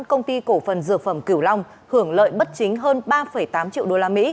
công ty cổ phần dược phẩm cửu long hưởng lợi bất chính hơn ba tám triệu usd